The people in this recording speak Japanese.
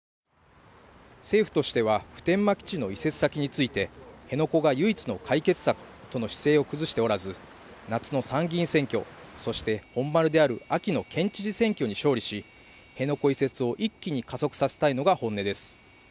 政府としては普天間基地の移設先について、辺野古が唯一の解決策との姿勢を崩しておらず夏の参議院選挙、そして本丸である秋の県知事選挙に勝利し辺野古移設を一気に加速させたいのが本音です。